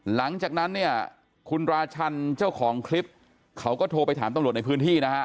หลังจากนั้นเนี่ยคุณราชันเจ้าของคลิปเขาก็โทรไปถามตำรวจในพื้นที่นะฮะ